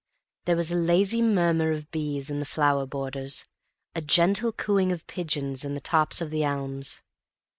There was a lazy murmur of bees in the flower borders, a gentle cooing of pigeons in the tops of the elms.